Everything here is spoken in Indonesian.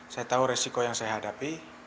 saya tahu resiko yang saya hadapi